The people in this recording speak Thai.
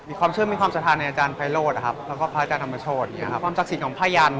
มีความเชื่อมีความสะทานในอาจารย์ไฟโรสแล้วก็พระอาจารย์ธรรมชนความศักดิ์สิทธิ์ของพระยันทร์